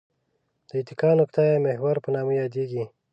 د اتکا نقطه یا محور په نامه یادیږي.